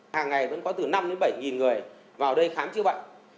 hàng ngày vẫn có từ năm bảy nghìn người vào đây khám chữa bệnh